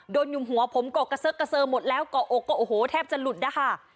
อยู่หัวผมเกาะกระเซกกระเซอหมดแล้วเกาะอกก็โอ้โหแทบจะหลุดนะคะ